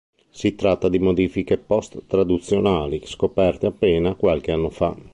Si tratta di modifiche post-traduzionali scoperte appena qualche anno fa.